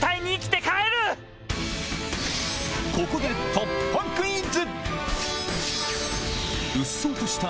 ここで突破クイズ！